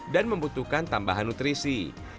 dan membutuhkan tambahan nutrisi